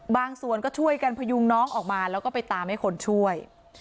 ส่วนก็ช่วยกันพยุงน้องออกมาแล้วก็ไปตามให้คนช่วย